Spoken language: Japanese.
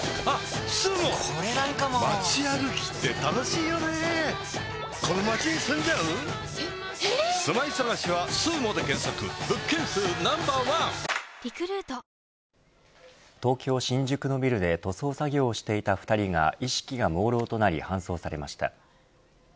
いいじゃないだって東京・新宿のビルで塗装作業をしていた２人が意識がもうろうとなり搬送されました。